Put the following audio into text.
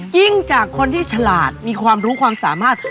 จากคนที่ฉลาดมีความรู้ความสามารถ